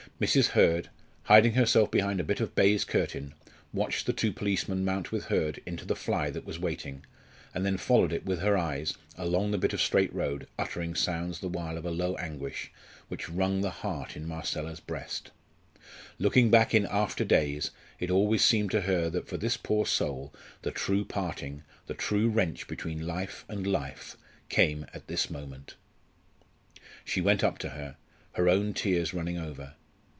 Mrs. Hurd, hiding herself behind a bit of baize curtain, watched the two policemen mount with Hurd into the fly that was waiting, and then followed it with her eyes along the bit of straight road, uttering sounds the while of low anguish, which wrung the heart in Marcella's breast. Looking back in after days it always seemed to her that for this poor soul the true parting, the true wrench between life and life, came at this moment. She went up to her, her own tears running over.